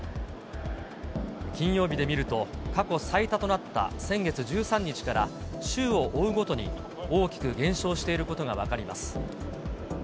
金曜日で見ると、過去最多となった先月１３日から週を追うごとに大きく減少していることが分かります。